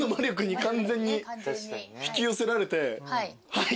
はい。